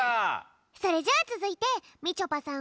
それじゃあつづいてみちょぱさん